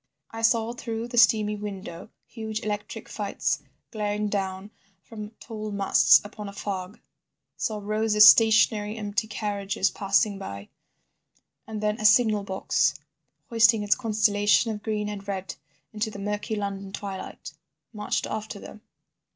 I saw through the steamy window huge electric lights glaring down from tall masts upon a fog, saw rows of stationary empty carriages passing by, and then a signal box hoisting its constellation of green and red into the murky London twilight, marched after them.